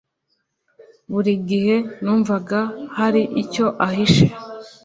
Buri gihe numvaga hari icyo ahishe.